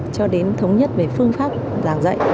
cho đến thống nhất về phương pháp giảng dạy